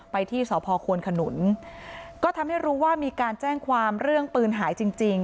ไปที่สพควนขนุนก็ทำให้รู้ว่ามีการแจ้งความเรื่องปืนหายจริงจริง